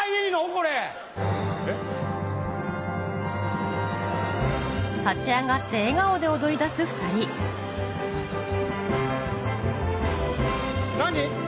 これ。え？何？